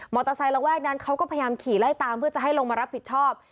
เตอร์ไซค์ระแวกนั้นเขาก็พยายามขี่ไล่ตามเพื่อจะให้ลงมารับผิดชอบ